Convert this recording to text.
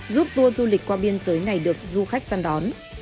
giúp tour du lịch qua biên giới này được du khách săn đón